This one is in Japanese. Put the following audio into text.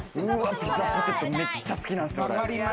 ピザポテト、めっちゃ好きなんですよ、俺。